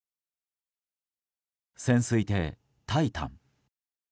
潜水艇「タイタン」。